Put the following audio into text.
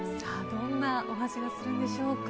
どんなお味がするんでしょうか。